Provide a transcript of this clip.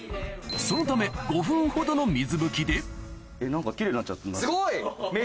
そのため５分ほどの水拭きでえっ何か。